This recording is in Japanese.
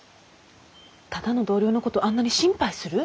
ただの同僚のことあんなに心配する？